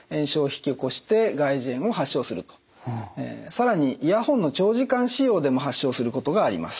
更にイヤホンの長時間使用でも発症することがあります。